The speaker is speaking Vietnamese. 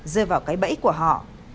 rơi vào cái bẫy của họ